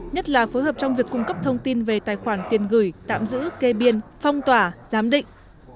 nhất là phối hợp trong việc cung cấp thông tin về tài khoản tiền gửi tạm giữ kê biên phong tỏa giám định